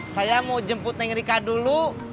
saya mau jemput neng rika dulu